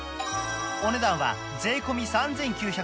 お値段は税込３９８０円